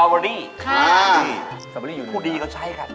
สตอเบอร์รี่อยู่นี่ไหมครับพูดดีก็ใช่ครับ